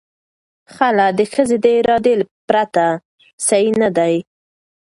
خلع د ښځې د ارادې پرته صحیح نه دی.